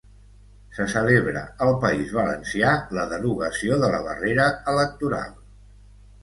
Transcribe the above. Se celebra al País Valencià la derogació de la barrera electoral